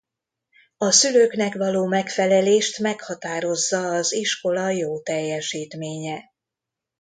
A szülőknek való megfelelést meghatározza az iskola jó teljesítménye.